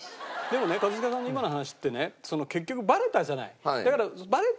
でもね一茂さんの今の話ってね結局バレたじゃない。